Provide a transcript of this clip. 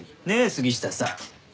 杉下さん。